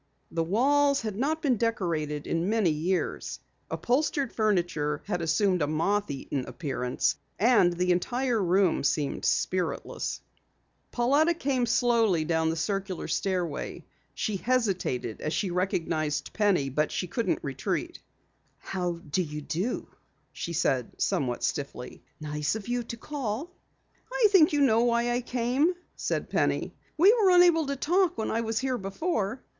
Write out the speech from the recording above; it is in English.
The walls had not been decorated in many years, upholstered furniture had assumed a moth eaten appearance, and the entire room seemed spiritless. Pauletta came slowly down the circular stairway. She hesitated as she recognized Penny, but could not retreat. "How do you do," she said somewhat stiffly. "Nice of you to call." "I think you know why I came," said Penny. "We were unable to talk when I was here before."